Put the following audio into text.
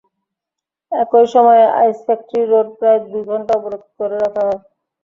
একই সময়ে ice factory road প্রায় দুই ঘণ্টা অবরোধ করে রাখা হয়।